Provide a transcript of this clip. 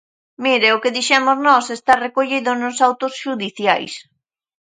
Mire, o que dixemos nós está recollido nos autos xudiciais.